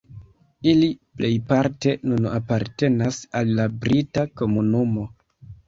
Ili plejparte nun apartenas al la Brita Komunumo.